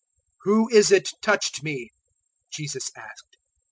008:045 "Who is it touched me?" Jesus asked.